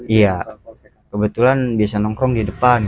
iya kebetulan biasa nongkrong di depan